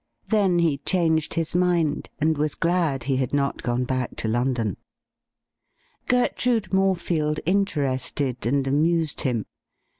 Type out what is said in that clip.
Then he changed his mind, and was glad he had not gone back to London. Gertrude Morefield interested and amused him.